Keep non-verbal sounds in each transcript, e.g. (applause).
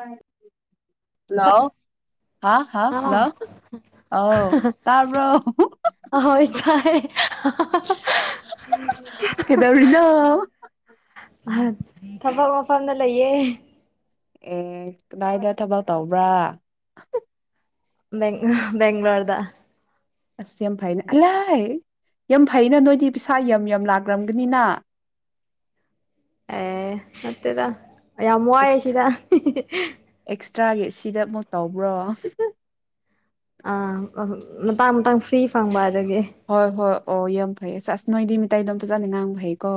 ꯎꯝ hello ꯍꯥ ꯍꯥ hello ꯑꯥ ꯑꯥꯎ ꯇ ꯑꯍꯣꯏ ꯇꯥꯏ ꯀꯦꯗꯧꯔꯤꯅ ꯊꯕꯛ ꯃꯐꯝꯗ ꯂꯩꯌꯦ ꯑꯦ ꯀꯗꯥꯏꯗ ꯊꯕꯛ ꯇꯧꯕ꯭ꯔꯥ ꯦꯦꯡ꯭ꯂꯣꯔꯗ ꯑꯁ ꯌꯥꯝ ꯐꯩꯅꯦ ꯑꯂꯥꯏ ꯌꯥꯝ ꯐꯩꯩꯅ ꯅꯣꯏꯗꯤ ꯄꯩꯁꯥ ꯌꯥꯝ ꯌꯥꯝ ꯂꯥꯛꯈ꯭ꯔꯝꯒꯅꯤꯅ ꯃꯠꯇꯦꯗ ꯌꯥꯝ ꯋꯥꯏꯑꯦ ꯑꯦꯛꯁ ꯁꯤꯗ ꯁꯤꯤꯗ ꯑꯃꯨꯛ ꯇꯧꯕ꯭ꯔꯣ ꯑ ꯃ ꯇꯥꯡꯇꯥꯡ ꯐꯔꯤ ꯐꯪꯕ ꯑꯗꯒꯤ ꯍꯣꯏ ꯍꯣꯏ ꯑꯣ ꯌꯥꯝ ꯍ ꯐꯩ ꯆꯁ ꯅꯣꯏꯗꯤ ꯃꯤꯇꯩꯗꯣꯝ ꯐꯖꯅꯅꯥꯡꯕ ꯐꯩꯀꯣ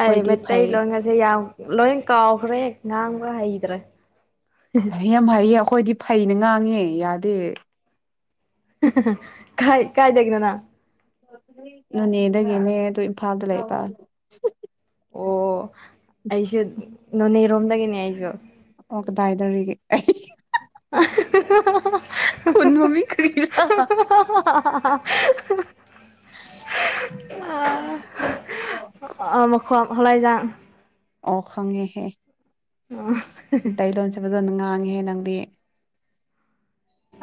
ꯑꯩ ꯃꯠꯇꯩ ꯂꯣꯏꯉꯁꯦ ꯌꯥꯎ ꯂꯣꯏ ꯀꯥꯎꯈ꯭ꯔꯦ ꯌꯦ ꯉꯥꯡꯒ ꯍꯩꯗ꯭ꯔꯦ ꯍꯥꯏ ꯌꯥꯝ ꯍꯥꯏꯥꯏꯌꯦ ꯑꯩꯈꯣꯏꯗꯤ ꯐꯩꯅ ꯉꯥꯡꯉꯦ ꯌꯥꯗꯦ ꯀꯥꯏ ꯀꯥꯏ ꯗꯒꯅꯅꯥ ꯅꯅꯦꯗꯒꯤꯅꯦ ꯑꯗꯨ ꯏꯝꯐꯥꯜꯗ ꯂꯩꯕ ꯑꯣ ꯑꯩꯁꯨ ꯅꯣꯅꯦꯔꯣꯝꯗꯒꯤꯅꯦ ꯑꯩꯁꯨ ꯑꯣꯒꯗ ꯍꯥꯏꯗꯣꯔꯤꯒ ꯈꯨꯅ ꯃꯃꯤ ꯀꯔꯤꯗ ꯍꯂꯥꯏꯖꯥꯟ ꯑꯣ ꯈꯉꯦꯍꯦ ꯇꯩꯂ ꯆꯕꯗ ꯍꯦ ꯅꯪꯗꯦ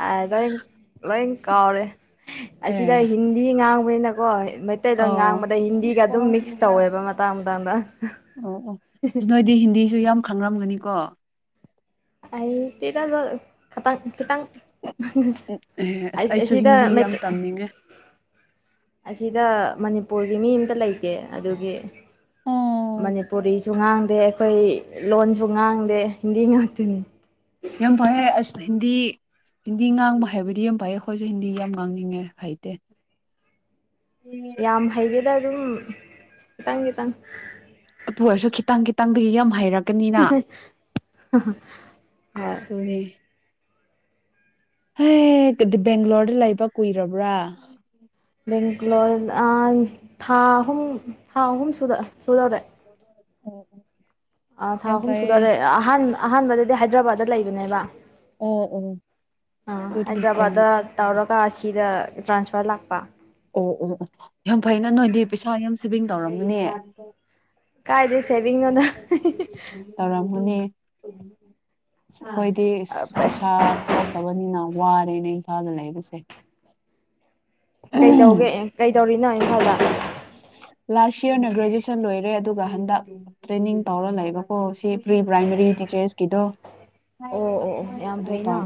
ꯑ ꯂ ꯂꯤꯡ ꯀꯥꯎꯔꯦ ꯑꯁꯤꯗ ꯑꯦ ꯍꯤꯟꯗꯤ ꯉꯥꯡ ꯃꯅꯅꯥꯀꯣ ꯃꯩꯇꯩꯗ ꯑꯣ ꯉꯥꯡꯕꯗ ꯍꯤꯟꯗꯤꯒ ꯑꯗꯨꯝ ꯃꯤꯛꯁ ꯇꯧꯋꯦꯕ ꯃꯇꯥꯡ ꯃꯇꯥꯡꯗ ꯈꯪꯂꯝꯝꯒꯅꯤꯀꯣ ꯑꯩ ꯇ ꯇ ꯈꯇꯪ ꯈꯤꯇꯪ ꯑꯦ ꯑꯁ ꯑꯩꯁꯨ ꯑꯁꯤꯗ ꯍꯤꯟꯗꯤ ꯌꯥꯝ ꯇꯝꯅꯤꯡꯉꯦ ꯑꯁꯤꯗ ꯃꯅꯤꯄꯨꯔꯒꯤ ꯃꯤ ꯑꯃꯇ ꯂꯩꯇꯦ ꯑꯗꯨꯒꯤ ꯑꯣ ꯃꯅꯤꯄꯨꯔꯤꯁꯨ ꯉꯥꯡꯗꯦ ꯑꯩꯈꯣꯏ ꯂꯣꯟꯁꯨ ꯉꯥꯡꯗꯦ ꯍꯤꯟꯗꯤ ꯉꯥꯛꯇꯅꯤ ꯌꯥꯝ ꯐꯩ ꯑꯁ ꯍꯤꯟꯗꯤ ꯍꯤꯟꯗꯤ ꯉꯥꯡꯕ ꯍꯥꯏꯕꯗꯤ ꯌꯥꯝ ꯐꯩ ꯑꯩꯈꯣꯏꯁꯨ ꯍꯤꯟꯗꯤ ꯌꯥꯝ ꯉꯥꯡꯅꯤꯡꯉꯦ ꯐꯩꯇꯦ ꯌꯥꯝ ꯍꯩꯒꯦꯗ ꯑꯗꯨꯝ ꯈꯤꯇꯪ ꯈꯤꯇꯪ ꯑꯗꯨ ꯑꯣꯏꯔꯁꯨ ꯈꯤꯇꯪ ꯈꯤꯇꯪꯗꯒꯤ ꯌꯥꯝ ꯍꯩꯔꯛ ꯍꯍ ꯍ ꯍ ꯍꯣꯢ ꯍꯗꯤ ꯕꯦꯡꯒ꯭ꯂꯣꯔꯗ ꯂꯩꯕ ꯀꯨꯏꯔꯕ꯭ꯔꯥ ꯕꯦꯡꯒ꯭ꯂꯣꯔ ꯑ ꯊꯥ ꯑꯍꯨꯝ ꯊꯥ ꯑꯍꯨꯝ ꯁꯨꯗꯧꯔꯦ ꯎꯝ ꯎꯝ ꯑ ꯊꯥ ꯑꯍꯨꯝ ꯁꯨꯗꯔꯦ ꯑꯍꯥꯟꯕ ꯑꯍꯥꯟꯕꯗꯗꯤ ꯍꯥꯢꯗ꯭ꯔꯕꯥꯠꯇ ꯂꯩꯕꯅꯦꯕ ꯑꯣ ꯑꯣ (unintelligible) ꯀ ꯑꯁꯤꯗ ꯇ꯭ꯔꯥꯟꯁꯐꯔ ꯂꯥꯛꯄ ꯑꯣ ꯑꯣ ꯑꯣ ꯌꯥꯝ ꯐꯩꯅ ꯅꯣꯏꯗꯤ ꯄꯩꯁꯥ ꯌꯥꯝ ꯁꯦꯚꯤꯡ ꯇꯧꯔꯝꯕꯅꯦ ꯀꯥꯏꯗꯩ ꯁꯦꯚꯤꯡꯅꯣꯗ ꯇꯧꯔꯝꯃꯅꯤ ꯎꯝ ꯑꯣꯏꯗꯤ ꯄꯩꯁꯥ ꯊꯣꯛꯇꯕꯅꯤꯅ ꯋꯥꯔꯅꯦ ꯏꯝꯐꯥꯜꯗ ꯂꯩꯕꯁꯦ ꯀꯩ ꯇꯧꯒꯦ ꯀꯩ ꯇꯧꯔꯤꯅꯣ ꯏꯝꯐꯥꯜꯗ ꯂꯥꯁ ꯌꯔꯅ ꯒ꯭ꯔꯦꯖꯨꯑꯦꯁꯟ ꯂꯣꯏꯔꯦ ꯑꯗꯨꯒ ꯍꯟꯗꯛ ꯇ꯭ꯔꯦꯅꯤꯡ ꯇꯧꯔ ꯂꯩꯕꯀꯣ ꯁꯤ ꯄ꯭ꯔꯤ ꯄ꯭ꯔꯥꯏꯃꯥꯔꯤ ꯇꯤꯆꯔꯁꯀꯤꯗꯣ ꯑꯣ ꯑꯣ ꯑꯣ ꯌꯥꯝ ꯐꯩꯅ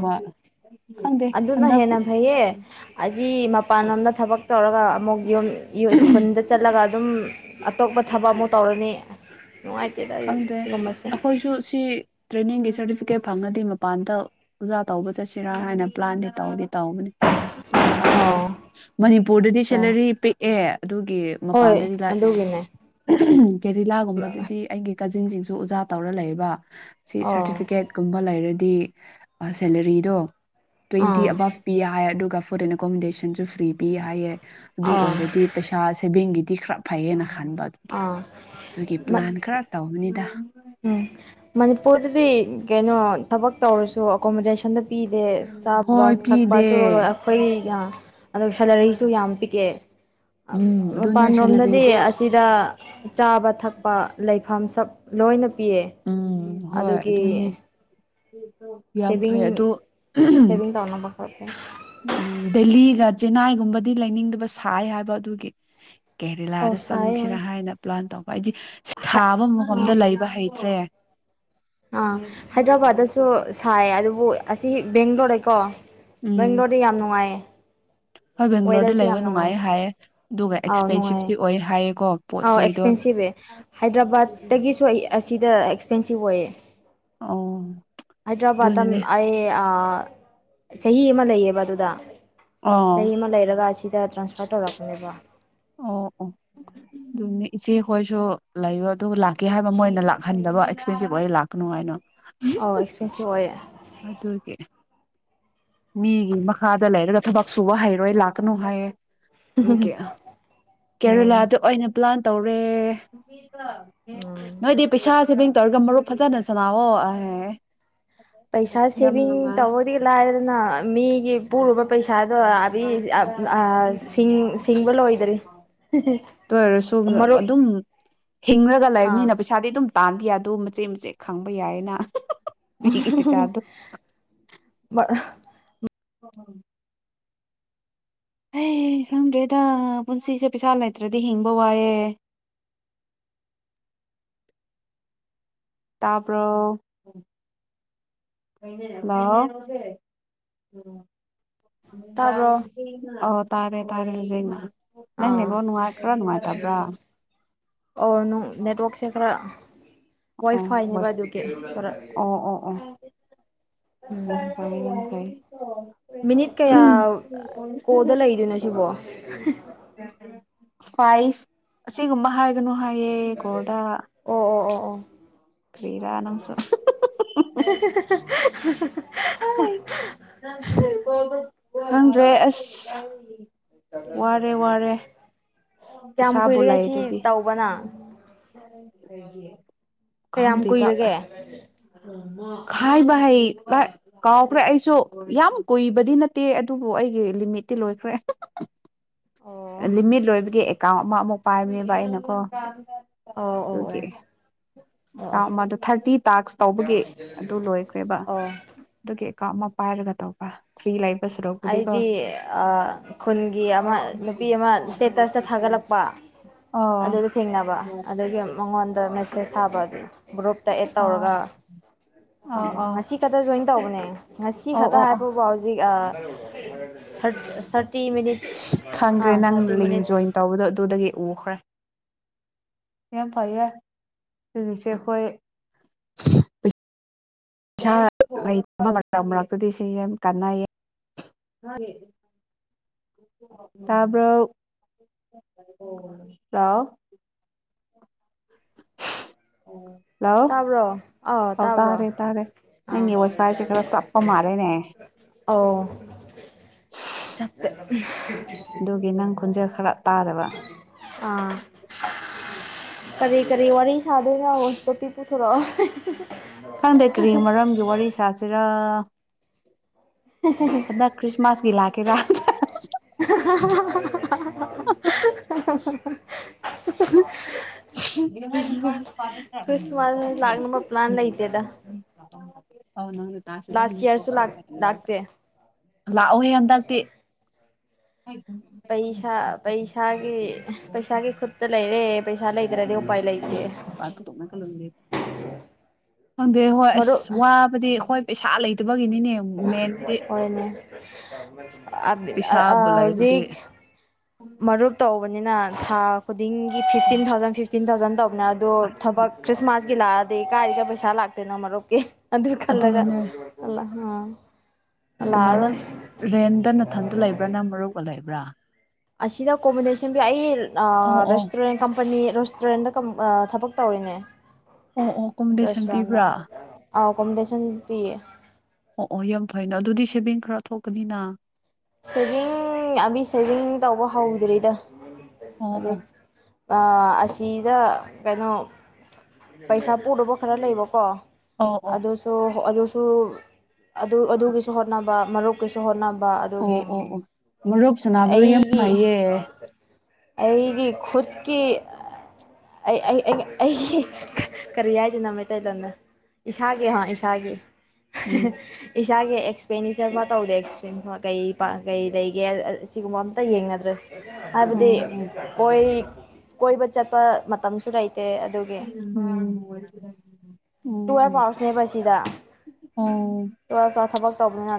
ꯈꯪꯗꯦ ꯑꯗꯨꯅ ꯍꯟꯗꯛ ꯍꯦꯟꯅ ꯐꯩꯌꯦ ꯑꯁꯤ ꯃꯄꯥꯟ ꯂꯣꯝꯗ ꯊꯕꯛ ꯇꯧꯔꯒ ꯑꯃꯨꯛ ꯌꯨꯝ ꯈꯨꯟꯗ ꯆꯠꯂꯒ ꯑꯗꯨꯝ ꯑꯇꯣꯞꯄ ꯊꯕꯛ ꯑꯃꯨꯛ ꯇꯧꯔꯅꯤ ꯅꯨꯡꯉꯥꯏꯇꯦꯗ ꯑꯩ ꯈꯪꯗꯦ ꯁꯤꯒꯨꯝꯕꯁꯦ ꯑꯩꯈꯣꯏꯁꯨ ꯁꯤ ꯇ꯭ꯔꯦꯅꯤꯡꯒꯤ ꯁꯥꯔꯇꯤꯐꯤꯀꯦꯠ ꯐꯪꯉꯗꯤ ꯃꯄꯥꯟꯗ ꯎꯖꯥ ꯇꯧꯕ ꯆꯠꯁꯤꯔꯥ ꯍꯥꯏꯅ ꯄ꯭ꯂꯥꯟꯗꯤ ꯇꯧꯗꯤ ꯇꯧꯕꯅꯤ ꯑ ꯈꯪꯗ꯭ꯔꯦ ꯑꯣ ꯃꯅꯤꯄꯨꯔꯗꯗꯤ ꯑꯣ ꯁꯦꯂꯔꯤ ꯄꯤꯛꯑꯦ ꯑꯗꯨꯒꯤ ꯍꯣꯏ ꯃꯄꯥꯟꯗꯗꯤ ꯂꯥꯏ ꯑꯗꯨꯒꯤꯅꯦ ꯀꯦꯔꯤꯂꯥꯒꯨꯝꯕꯗꯗꯤ ꯀꯖꯤꯟꯁꯤꯡꯁꯨ ꯑꯣꯖꯥ ꯇꯧꯔ ꯂꯩꯌꯦꯕ ꯁꯤ ꯑꯣ ꯁꯥꯔꯇꯤꯐꯤꯀꯦꯠ ꯀꯨꯝꯕ ꯂꯩꯔꯗꯤ ꯗꯤ ꯁꯦꯂꯔꯤꯗꯣ ꯇ꯭ꯋꯦꯟꯇꯤ ꯑꯥ ꯑꯕꯥꯞ ꯄꯤ ꯍꯥꯏ ꯐꯔ ꯑꯦꯀꯣꯃꯤꯃꯦꯗꯦꯁꯁꯨ ꯐꯔꯤ ꯄꯤ ꯍꯥꯏꯌꯦ ꯑꯗꯨ ꯑꯥ ꯑꯣꯏꯔꯗꯤ ꯄꯩꯁꯥ ꯁꯦꯕꯦꯡꯒꯤ ꯏ ꯈ꯭ꯔꯥ ꯐꯥꯏꯌꯦꯅ ꯈꯟꯕ ꯑꯗꯨꯒꯤ ꯑꯥ ꯗꯨꯒꯤ ꯄ꯭ꯂꯥꯟ ꯈꯔ__ ꯅꯤꯗ ꯎꯝ ꯃꯅꯤꯄꯨꯔꯗꯗꯤ ꯀꯩꯅꯣ ꯊꯕꯛ ꯇꯧꯔꯁꯨ ꯑꯀꯣꯃꯣꯗꯦꯁꯟꯗ__ ꯄꯤꯗꯦ ꯆꯥꯕ ꯊꯛꯄꯁꯨ ꯑꯈꯣꯏꯅ ꯑꯗꯣ ꯁꯦꯂꯔꯤꯁꯨ ꯌꯥꯝ ꯄꯤꯛꯑꯦ ꯎꯝ ꯑꯗꯨꯅꯦ ꯃꯄꯥꯟ ꯔꯣꯝꯗꯗꯤ ꯁꯦꯂꯔꯤꯗꯣ ꯑꯁꯤꯗ__ ꯆꯥꯕ ꯊꯛꯄ ꯂꯩꯞ__ ꯍꯝ ꯁꯥꯞ__ ꯂꯣꯏꯅꯞ__ ꯄꯤꯌꯦ ꯎꯝ ꯍꯣꯏ ꯑꯗꯨꯒꯤ ꯑꯗꯨꯅꯦ ꯎꯝ ꯌꯥꯝ ꯐꯦ ꯁꯦꯚꯤꯡ ꯑꯗꯨ__ ꯎ ꯎꯝ ꯗꯦꯜꯂꯤꯒ ꯆꯦꯟꯅꯥꯏꯒꯨꯝꯕꯗꯤ ꯂꯩꯅꯤꯡꯗꯕ ꯁꯥꯌꯦ ꯍꯥꯏꯕ ꯑꯗꯨꯒꯤ ꯑꯣ ꯀꯦꯔꯦꯂꯥꯗ ꯁꯥꯏ ꯆꯪꯁꯤꯔꯥ ꯍꯥꯏꯅ ꯄ꯭ꯂꯥꯟ ꯇꯧ__ ꯑꯩꯗꯤ ꯍꯥꯏ ꯁꯥꯕ ꯑꯥ ꯃꯐꯝꯗ ꯂꯩꯕ ꯍꯩꯇ꯭ꯔꯦ ꯑꯥ ꯍꯥꯏꯗ꯭ꯔꯕꯥꯗ ꯗꯁꯨ ꯁꯥꯌꯦ ꯑꯗꯨꯝ ꯑꯣꯏ ꯑꯁꯤ ꯕꯦꯡꯒꯂꯣꯔꯗꯩꯀꯣ ꯎꯝ ꯕꯦꯡꯒ꯭ꯂꯣꯔꯗꯤ ꯌꯥꯝ ꯅꯨꯡꯉꯥꯏꯌꯦ ꯍꯣꯏ ꯕꯦꯡꯒ꯭ꯂꯣꯔꯗ ꯋꯦꯗꯔꯁꯦ ꯂꯩꯕ ꯌꯥꯝ ꯅꯨꯡꯉꯥꯏ ꯅꯨꯡꯉꯥꯏꯌꯦ ꯍꯥꯏꯌꯦ ꯗꯨꯒ ꯑꯥꯎ ꯅꯨꯡꯉꯥꯏꯌꯦ ꯑꯦꯛꯁꯄꯦꯟꯁꯤꯚꯇꯤ ꯑꯣꯏꯌꯦ ꯍꯥꯏꯌꯦꯀꯣ ꯄꯣꯠ ꯑꯥꯎ ꯆꯩꯗꯣ ꯑꯦꯛꯁꯄꯦꯟꯁꯤꯚ ꯑꯦ ꯍꯥꯏꯗ꯭ꯔꯕꯥꯠꯇꯒꯤꯁꯨ ꯑꯩ ꯑ__ ꯁꯤꯗ ꯑꯦꯛꯁꯄꯦꯟꯁꯤꯚ ꯑꯣꯏꯌꯦ ꯑꯣ ꯍꯥꯏꯗ꯭ꯔꯕꯥꯥꯗꯇꯝ ꯑꯗꯨꯅꯅꯦ ꯑꯩ ꯑꯥ__ ꯑꯥ ꯆꯍꯤ ꯑꯃ ꯂꯩꯌꯦꯕ ꯑꯗꯨꯗ ꯑꯣ ꯆꯍꯤ ꯑꯃ ꯂꯩꯔꯒ ꯁꯤꯗ ꯇ꯭ꯔꯥꯟꯁꯐꯔ ꯇꯧꯔꯛꯄꯅꯦꯕ꯫ ꯑꯣ ꯑꯣ ꯗꯨ ꯅꯦ ꯏꯆꯦꯈꯣꯏꯁꯨ ꯂꯩꯌꯣ ꯑꯗꯨꯒ ꯂꯥꯛꯀꯦ ꯍꯥꯏꯕ ꯃꯣꯏꯅ ꯂꯥꯛꯍꯟꯗꯕ ꯑꯦꯛꯁꯄꯦꯟꯁꯤꯚ ꯑꯣꯏꯌꯦ ꯂꯥꯛꯀꯅꯨ ꯍꯥꯏꯅ꯫ ꯍꯤ ꯑꯧ ꯑꯦꯛꯁꯄꯦꯟꯁꯤꯞ ꯑꯣꯏꯌꯦ ꯎꯝ ꯑꯗꯨꯒꯤ ꯃꯤꯒꯤ ꯃꯈꯥꯗ ꯂꯩꯔꯒ ꯊꯕꯛ ꯁꯨꯕ ꯍꯩꯔꯣꯏ ꯂꯥꯛꯀꯅꯨ ꯍꯥꯏꯌꯦ꯫ ꯅꯨ ꯀꯦ (inaudible) ꯎꯝ ꯀꯦꯔꯦꯂꯥꯗ ꯑꯣꯏꯅ ꯂꯥꯟ ꯇꯧꯔꯦ ꯎꯝ ꯅꯣꯏꯗꯤ ꯄꯩꯁꯥꯁꯦ ꯕꯦꯡ ꯇꯧꯔꯒ ꯃꯔꯨꯞ ꯐꯖꯅ ꯁꯥꯟꯅꯑꯣ ꯑꯍꯦ ꯄꯩꯁꯥ ꯁꯦꯕꯤꯡ ꯇꯧꯕꯗꯤ ꯂꯥꯏꯔꯗꯅ ꯃꯤ ꯒꯤ ꯄꯨꯔꯨꯕ ꯄꯩꯁꯥꯗꯣ ꯑꯕꯤ ꯁꯤꯡ ꯁꯤꯡꯕ ꯂꯣꯏꯗꯔꯤ ꯃꯔꯨꯞ ꯍꯤꯡꯉꯒ ꯑꯥ ꯂꯩꯕꯅꯤꯅ ꯄꯩꯁꯥꯗꯤ ꯑꯗꯨꯝ ꯇꯥꯟꯕ ꯌꯥꯗꯣ ꯃꯆꯦꯠ ꯃꯆꯦꯠ ꯈꯪꯕ ꯌꯥꯏꯌꯦꯅ ꯃꯤꯒꯤ ꯄꯩꯁꯥꯗꯣ (unintelligible) (unintelligible) ꯑꯦ ꯈꯪꯗ꯭ꯔꯦꯗ ꯄꯨꯟꯁꯤꯁꯦ ꯄꯩꯁꯥ ꯂꯩꯇ꯭ꯔꯗꯤ ꯍꯤꯡꯕ ꯋꯥꯏꯑꯦ꯫ ꯇꯥꯄ꯭ꯔꯣ ꯍꯜꯂꯣ꯫ ꯅꯨꯡꯗꯥꯡ ꯇꯥꯕ꯭ꯔꯣ ꯊꯦꯡꯅ ꯑ ꯇꯥꯔꯦ ꯇꯥꯔꯦ ꯍꯧꯖꯤꯛꯅ꯫ ꯅꯪ ꯑꯥ ꯅꯦꯠꯇꯣ ꯅꯨꯡꯉꯥꯏꯕ꯭ꯔꯥ ꯅꯨꯡꯉꯥꯏꯇꯕ꯭ꯔꯥ꯫ ꯑꯣ ꯅꯨꯡ ꯅꯦꯠꯋꯥꯛꯁꯦ ꯈ꯭ꯔ ꯑꯣ ꯋꯥꯏꯐꯥꯏꯅꯦ ꯍꯣꯏ ꯕ ꯑꯗꯨꯒꯤ ꯈ꯭ꯔ ꯑꯣ ꯑꯣ ꯑꯣ ꯎꯝ ꯃꯤꯅꯤꯠ ꯀꯌꯥ ꯀꯣꯜꯗ ꯂꯩꯗꯣꯏꯅꯣ ꯁꯤꯕꯣ꯫ ꯐꯥꯏꯚ ꯑꯁꯤꯒꯨꯝꯕ ꯍꯥꯏꯒꯅꯣ꯫ ꯍꯥꯏꯌꯦ ꯀꯣꯜꯗꯥ꯫ ꯑꯣ (unintelligible) ꯀ꯭ꯔꯤꯔ ꯅꯪꯁꯨ (unintelligible) (unintelligible) (unintelligible) ꯈꯪꯗ꯭ꯔꯦ ꯑꯁ ꯋꯥꯔꯦ ꯋꯥꯔꯦ꯫ ꯀꯌꯥꯝ ꯄꯩꯁꯥꯕꯨ ꯀꯨꯏꯔꯦ ꯑꯁꯤ ꯂꯩꯔꯗꯤ ꯇꯧꯕ ꯅꯪ꯫ (unintelligible) ꯀꯌꯥꯝ ꯈꯪꯗꯦꯗ ꯀꯨꯏꯔꯒꯦ꯫ ꯍꯥꯏꯕ ꯍꯩ ꯀꯥꯎꯈ꯭ꯔꯦ ꯑꯩꯁꯨ ꯌꯥꯝ ꯀꯨꯏꯕꯗꯤ ꯅꯠꯇꯦ ꯑꯗꯨꯕꯨ ꯑꯩꯒꯤ ꯂꯤꯃꯤꯠꯇꯤ ꯂꯣꯏꯈ꯭ꯔꯦ꯫ ꯑꯣ (unintelligible) ꯂꯤꯃꯤꯠ ꯂꯣꯏꯕꯒꯤ ꯥꯎ ꯑꯃ ꯑꯃꯨꯛ ꯄꯥꯏꯕꯅꯦꯕ ꯑꯩꯅꯀꯣ꯫ ꯑꯣ ꯑꯣ ꯑꯣ ꯑꯗꯨꯒꯤ ꯑꯣ ꯑꯣ ꯃꯥꯗꯣ ꯊꯥꯔꯇꯤ ꯇꯥꯛꯁ ꯇꯧꯕꯒꯤ ꯑꯗꯨ ꯂꯣꯏꯈ꯭ꯔꯦꯕ ꯑꯣ ꯑꯗꯨꯒꯤ꯫ (unintelligible) ꯑꯃ ꯄꯥꯏꯔꯒ ꯇꯧꯕ ꯐ꯭ꯔꯤ ꯂꯩ ꯑꯩꯗꯤ ꯑ ꯈꯨꯟꯒꯤ ꯑꯃ ꯄꯤ ꯑꯃ ꯁ꯭ꯇꯦꯇꯁꯇ ꯊꯥꯒꯠꯂꯛꯄ ꯑꯣ ꯑꯗꯨꯗ ꯊꯦꯡꯅꯕ ꯑꯗꯨꯒꯤ ꯃꯉꯣꯟꯗ ꯃꯦꯁꯦꯁ ꯇꯥꯕ ꯑꯗꯨ ꯒ꯭ꯔꯨꯞꯇ ꯑꯦꯗ ꯑꯣ ꯇꯧꯔꯒ ꯑꯣ ꯍꯪꯕ ꯑꯣ ꯉꯁꯤ ꯈꯛꯇ ꯖꯣꯏꯟ ꯇꯧꯕꯅꯦ ꯉꯁꯤ ꯑꯣ ꯈꯛꯇ ꯑꯣ ꯑꯣ ꯍꯥꯏꯕꯕꯨ ꯍꯧꯖꯤꯛ ꯊꯔ ꯊꯥꯔꯇꯤ ꯃꯤꯅꯤꯠꯁ ꯑ ꯈꯪꯈ꯭ꯔꯦ ꯅꯪ ꯊꯥꯔꯇꯤ ꯂꯤꯡ ꯃꯤꯅꯤꯠꯁ ꯖꯣꯏꯟ ꯇꯧꯕꯗꯣ ꯑꯗꯨꯗꯒꯤ ꯎꯈ꯭ꯔꯦ ꯌꯥꯝ ꯐꯩꯌꯦ ꯍꯨꯖꯤꯛꯁꯦ ꯈꯣꯏ ꯏꯁꯥꯩ ꯃꯔꯛꯇꯨꯗꯤ ꯁꯤ ꯌꯥꯝ ꯀꯥꯟꯅꯩꯌꯦ ꯇꯥꯕ꯭ꯔꯣ ꯂꯥꯎ ꯑꯣ ꯍꯜꯂꯣ ꯇꯥꯕ꯭ꯔꯣ ꯑꯥꯎ ꯑꯧ ꯇꯥꯕ꯭ꯔꯣ ꯇꯥꯔꯦ ꯇꯥꯔꯦ ꯑꯥ ꯅꯪꯒꯤ ꯋꯥꯏꯐꯥꯏꯁꯦ ꯈꯔ ꯆꯞꯄ ꯃꯥꯜꯂꯦꯅꯦ ꯑꯥꯎ ꯑꯗꯨꯒꯤ ꯅꯪ ꯈꯣꯟꯖꯦꯜ ꯈꯔ ꯇꯥꯗꯕ ꯑꯥ ꯀꯔꯤ ꯀꯔꯤ ꯋꯥꯔꯤ ꯁꯥꯗꯨꯏꯅꯣ ꯇꯣꯄꯤꯛ ꯄꯨꯊꯣꯔꯛꯑꯣ (inaudible) ꯈꯪꯗ ꯀ꯭ꯔꯤ ꯃꯔꯝꯒꯤ ꯋꯥꯔꯤ ꯁꯥꯁꯤꯔꯥ ꯍꯟꯗꯛ ꯈ꯭ꯔꯤꯁꯃꯥꯁꯒꯤ ꯂꯥꯛ ꯀꯦꯔꯥ (unintelligible) (inaudible) (inaudible) ꯈ꯭ꯔꯤꯁꯃꯥꯁ ꯈ꯭ꯔꯤꯁꯃꯥꯁ ꯂꯥꯛꯅꯕ ꯄ꯭ꯂꯥꯟ ꯂꯩꯇꯦꯗ (inaudible) ꯂꯥꯁ ꯇꯥꯍꯟꯅꯤꯀꯣ ꯏꯌꯔꯁꯨ ꯁꯨꯝ ꯂꯥꯛ ꯂꯥꯛꯇ ꯂꯥꯛꯑꯣꯍꯦ ꯍꯟꯗꯛꯇꯤ ꯄꯩꯁꯥ ꯄꯩꯁꯥꯒꯤ ꯄꯩꯁꯥꯒꯤ ꯈꯨꯨꯠꯇ ꯂꯩꯔꯦ ꯄꯩꯁꯥ ꯂꯩꯇ꯭ꯔꯗꯤ ꯎꯄꯥꯏ ꯂꯩꯇꯦ ꯈꯪꯗꯦ ꯍꯣꯏ ꯃꯔꯨꯞ ꯑꯁ ꯋꯥꯕꯗꯤ ꯍꯈꯣꯏ ꯄꯩꯁꯥ ꯂꯩꯇ ꯍꯣꯏꯅꯦ ꯑꯥ ꯄꯩꯁꯥꯕꯨ ꯑꯥ ꯂꯩꯔꯗꯤ ꯍꯧꯖꯤꯛ ꯃꯔꯨꯞ ꯇꯧ ꯅꯤꯅ ꯊ ꯒꯤ ꯐꯤꯐꯇꯤꯟ ꯊꯥꯎꯖꯟ ꯐꯤꯇꯤꯟ ꯆꯤꯟꯗꯖꯟꯗꯕ ꯑꯗꯨꯣ ꯊꯕꯛ ꯈ꯭ꯔꯤꯁꯃꯥꯁ ꯒꯤꯂꯥꯗꯦ ꯀꯥꯔꯤ ꯀ ꯄꯩꯁꯥ ꯂꯥꯛꯇ ꯅ ꯑꯃꯔꯣꯛꯦ ꯑꯗꯨ ꯀꯜꯂꯒ ꯑꯗꯨꯅꯦ ꯑꯂ ꯑꯣ ꯀꯅꯥ ꯅꯪ ꯔꯦꯟꯗ ꯅꯊꯟꯗ ꯂꯩꯕ꯭ꯔꯥꯅꯪ ꯃꯔꯨꯞꯑ ꯂꯩꯕ꯭ꯔꯥ ꯑꯁꯤꯗꯥ ꯀꯣꯟꯕ꯭ꯔꯖꯦꯁꯥꯟꯒꯤ ꯑꯩ ꯑꯣ ꯑꯣ ꯔꯦꯁꯇꯣꯔꯦꯟ ꯀꯝꯄꯅꯤ ꯔꯦꯁꯇꯨꯔꯦꯟꯗ ꯊꯕꯛ ꯇꯧꯔꯤꯅꯦ ꯑꯣ ꯑꯣ ꯀꯀꯣꯃꯤꯗꯦꯁꯟ ꯄꯤꯕ꯭ꯔꯥ ꯑꯦꯀꯣꯃꯗꯦꯁꯟ ꯄꯤꯌꯦ ꯑꯣ ꯑꯣ ꯌꯥꯝ ꯊꯑꯅ ꯑꯗꯨꯗꯤ ꯁꯦꯚꯤꯡ ꯈꯔ ꯊꯣꯛꯀꯅꯤꯅ ꯁꯦꯚꯤꯡ ꯑꯕꯤ ꯁꯦꯚꯤꯡ ꯇꯧꯕ ꯍꯧꯗ꯭ꯔꯤꯗ ꯑꯣ ꯑꯣ ꯍꯧꯖꯤꯛ ꯑꯁꯤꯗ ꯀꯩꯅꯣ ꯄꯩꯁꯥ ꯄꯨꯔꯨꯕ ꯈꯔ ꯂꯩꯕꯀꯣ ꯑꯣ ꯑꯣ ꯑꯗꯣꯁꯨ ꯑ ꯁꯨ ꯑꯗꯨ ꯑꯗꯨꯒꯤꯁꯨ ꯍꯣꯠꯅꯕ ꯃꯔꯨꯞꯀꯤꯁꯨ ꯍꯣꯠꯅꯕ ꯑꯣ ꯑꯣ ꯃꯔꯨꯞ ꯁꯅꯥꯕꯗꯣ ꯌꯥꯝ ꯑꯩꯒꯤ ꯐꯩꯌꯦ ꯑꯩꯒꯤ ꯈꯨꯠ ꯀ ꯑꯩꯒꯤ ꯀꯔꯤ ꯍꯥꯏꯗꯅꯣ ꯃꯩꯇꯩꯂꯣꯟꯗ ꯏꯁꯥꯒꯤ ꯍ ꯏꯁꯥꯒꯤ ꯎꯝ ꯆꯥꯦ ꯑꯦꯛꯁꯄꯦꯟꯗꯤꯆꯔ ꯃꯥ ꯇꯧꯗꯦ ꯑꯦꯛꯁꯄ ꯀꯩ ꯀꯩ ꯂꯩꯒꯦ ꯑꯁꯤꯒꯨꯝꯕ ꯑꯝꯇ ꯌꯦꯡꯅꯗ꯭ꯔꯦ ꯍꯥꯏꯕꯗꯤ ꯑꯣ ꯑꯣ ꯑꯣꯏꯣꯏ ꯀꯣꯏꯕ ꯆꯆꯥꯄ ꯃ ꯃꯇꯝꯁꯨ ꯂꯩꯥꯏ ꯎꯝ ꯇꯨꯋꯦꯜꯐ ꯎꯝ ꯑꯥꯋꯔꯁꯅꯦꯕ ꯁꯤꯗ ꯑꯣ ꯇꯨꯋꯦꯜꯐ ꯑꯥꯋꯔ ꯊꯕꯛ ꯇꯧꯕꯅꯤꯅ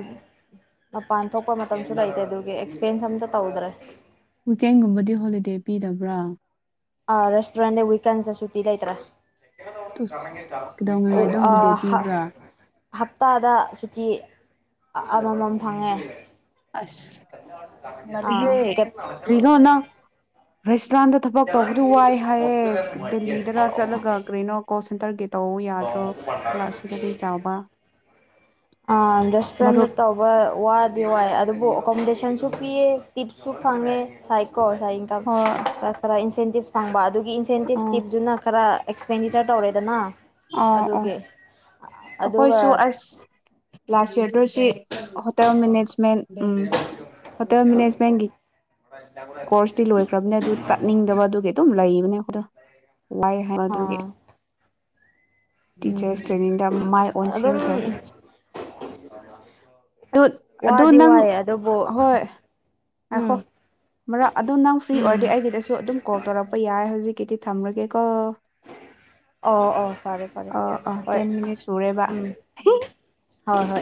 ꯃꯄꯥꯟ ꯊꯣꯛꯄ ꯃꯇꯝꯁꯨ ꯂꯩꯇꯦ ꯑꯗꯨꯒꯤ ꯑꯦꯛꯁꯄꯦꯟꯁ ꯑꯝꯇ ꯇꯧꯗ꯭ꯔꯦ ꯋꯤꯀꯦꯟꯒꯨꯝꯕꯗꯤ ꯍꯣꯂꯤꯗꯦ ꯄꯤꯗꯕ꯭ꯔꯥ ꯑ ꯔꯦꯁꯇꯨꯔꯦꯟꯅꯦ ꯋꯤꯀꯦꯟ ꯗꯁꯨ ꯁꯤꯗꯥꯏꯇ꯭ꯔꯥ ꯇꯨꯁ ꯀꯩꯗꯧꯅꯤꯡꯉꯥꯏꯗꯣ (unintelligible) (inaudible) ꯑ ꯍꯣꯂꯤꯗꯦ ꯄꯤꯕ꯭ꯔꯥ ꯍꯞꯇꯥꯗ ꯁꯨꯇꯤ ꯑꯃꯃꯝ ꯐꯪꯉꯦ ꯑꯁ ꯑꯥ ꯃꯂꯤꯦ ꯀꯔꯤꯅꯣ ꯅ ꯔ꯭ꯔꯁ ꯏ꯭ꯔꯥꯟꯗ ꯊꯕꯛ ꯇꯧꯕꯗꯨ ꯋꯥꯏ ꯍꯥꯏꯌꯦ ꯗꯦꯜꯂꯤꯗꯔ ꯆꯠꯂꯒ ꯀꯔꯤꯅꯣ ꯀꯣꯜ ꯁꯦꯟꯇꯔꯒꯤ ꯇꯧ ꯌꯥꯗ꯭ꯔꯣ ꯀꯂꯥꯁꯤꯗꯒꯤ ꯆꯥꯎꯕ ꯑ ꯔꯦꯁꯇꯨꯔꯦꯟ ꯅ ꯃꯔꯨꯞ ꯇꯧꯕ ꯋꯥꯗꯤ ꯋꯥꯏ ꯑꯗꯨꯕꯨ ꯑꯣꯀꯣꯃꯣꯗꯦꯁꯟꯁꯨ ꯄꯤꯌꯦ ꯇꯤꯞꯁꯨ ꯐꯪꯉꯦ ꯁꯥꯏ ꯀꯣꯁ ꯍꯣꯏ ꯏ꯭ꯔ ꯏ ꯁꯦꯟꯇꯤꯞ ꯐꯥꯡꯕ ꯑꯗꯨ ꯒꯤ ꯏꯟꯁꯦꯟꯇꯤꯞ ꯑꯣ ꯇꯤꯞꯇꯨꯅ ꯈꯔ ꯑꯦꯛꯁꯄꯦꯟꯗꯤꯆꯔ ꯇꯧꯔꯦꯗꯅ ꯑ ꯑꯣ ꯑꯗꯨꯒꯤ ꯑꯗꯨꯒ ꯑꯩꯈꯣꯏꯁꯨ ꯑꯁ ꯂꯥꯁ ꯁꯤ ꯍꯣꯇꯦꯜ ꯃꯦꯅꯦꯖꯃꯦꯟ ꯎꯝ ꯐꯠꯇꯃꯤꯅꯦꯁꯄꯒ ꯀꯣꯔꯁꯇꯤ ꯂꯣꯏꯈ꯭ꯔꯕꯅꯦ ꯑꯗꯨ ꯆꯠꯅꯤꯡꯗꯕ ꯑꯗꯨꯒꯤ ꯑꯗꯨꯝ ꯂꯩꯕꯅꯦ ꯑꯩꯈꯗ ꯋꯥꯏ ꯍꯥꯏ ꯃꯗꯨꯒꯤ ꯑꯥ ꯎꯝ ꯇꯤꯆꯔꯁ ꯇ꯭ꯔꯦꯅꯤꯡꯗ ꯃꯥꯏ ꯑꯗꯨꯝ ꯑꯣꯟꯁꯤꯟꯈ꯭ꯔꯦ (unintelligible) ꯑꯗꯨ ꯑꯗꯨ ꯋꯥꯗꯤ ꯅꯪ ꯋꯥꯏꯑꯦ ꯑꯗꯨꯕꯨ ꯍꯣꯏ ꯉꯥꯏꯈꯣ ꯎꯝ ꯃꯔꯛ ꯑꯗꯨꯣ ꯅꯪ ꯐ꯭ꯔꯤ ꯎꯝ ꯑꯣꯏꯔꯗꯤ ꯑꯩꯒꯤꯗꯁꯨ ꯑꯗꯨꯝ ꯀꯣꯜ ꯇꯧꯔꯛꯄ ꯌꯥꯏ ꯍꯧꯖꯤꯛꯀꯤꯗꯤ ꯊꯝꯔꯒꯦꯀꯣ ꯑꯣ ꯑꯣ ꯐꯔꯦ ꯐꯔꯦ ꯑ ꯑ ꯍꯣꯏ ꯇꯦꯟ ꯃꯤꯅꯤꯠ ꯁꯨꯔꯦꯕ ꯎꯝ ꯍꯣꯏ ꯍꯣꯏ ꯍ